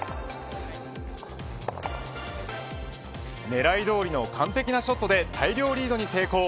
狙いどおりの完璧なショットで大量リードに成功。